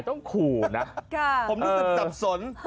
ผมรู้สึกจับสน